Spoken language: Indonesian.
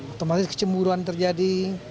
otomatis kecemburan terjadi